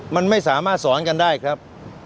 มันไม่สามารถสอนกันได้ครับ